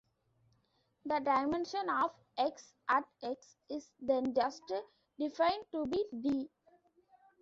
The dimension of "X" at "x" is then just defined to be "d".